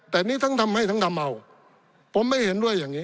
แต่นี่ทั้งทำให้ทั้งทำเอาผมไม่เห็นด้วยอย่างนี้